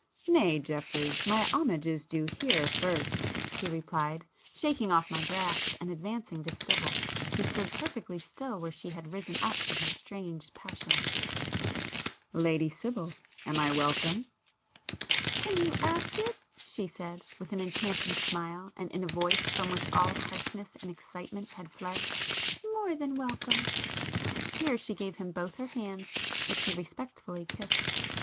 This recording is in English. "Nay, Geoffrey, my homage is due here first,"—he replied, shaking off my grasp, and advancing to Sibyl, who stood perfectly still where she had risen up in her strange passion—"Lady Sibyl, am I welcome?" "Can you ask it!" she said, with an enchanting smile, and in a voice from which all harshness and excitement had fled; "More than welcome!" Here she gave him both her hands which he respectfully kissed.